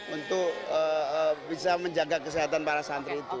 untuk bisa menjaga kesehatan para santri itu